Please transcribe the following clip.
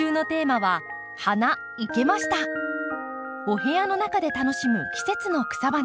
お部屋の中で楽しむ季節の草花